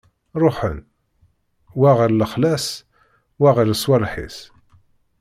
Ṛuḥen, wa ɣer lexla-s, wa ɣer swaleḥ-is.